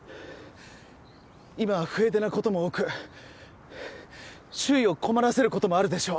今は不得手な事も多く周囲を困らせる事もあるでしょう。